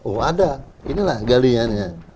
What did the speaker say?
oh ada inilah galiannya